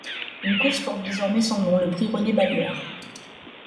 Une course porte désormais son nom, le prix René-Ballière.